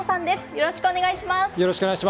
よろしくお願いします。